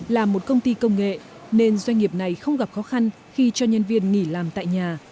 là một công ty công nghệ nên doanh nghiệp này không gặp khó khăn khi cho nhân viên nghỉ làm tại nhà